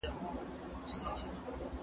تاسو په کابل کي د چا خبري ډېرې خوښوئ؟